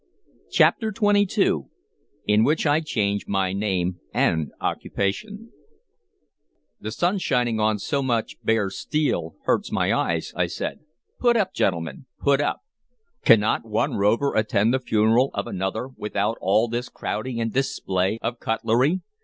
CHAPTER XXII IN WHICH I CHANGE MY NAME AND OCCUPATION "THE sun shining on so much bare steel hurts my eyes," I said. "Put up, gentlemen, put up! Cannot one rover attend the funeral of another without all this crowding and display of cutlery?